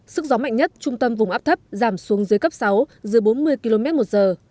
sức gió mạnh nhất trung tâm vùng áp thấp giảm xuống dưới cấp sáu dưới bốn mươi km một giờ